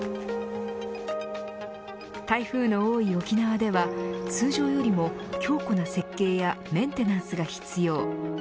台風の多い沖縄では通常よりも強固な設計やメンテナンスが必要。